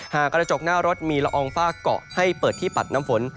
กระจกหน้ารถมีละอองฝากเกาะให้เปิดที่ปัดน้ำฝน